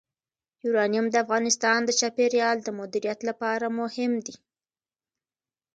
یورانیم د افغانستان د چاپیریال د مدیریت لپاره مهم دي.